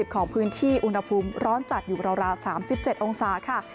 ของพื้นที่อุณหภูมิร้อนจัดอยู่ราว๓๗องศาค่ะ